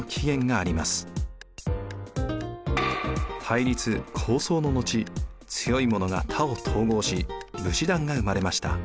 対立抗争の後強いものが他を統合し武士団が生まれました。